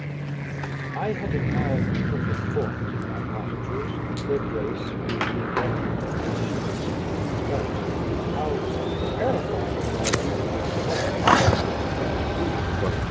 "I had admired the perfect forms of my cottagers their grace, beauty, and delicate complexions: but how was I terrified, when I viewed myself in a transparent pool!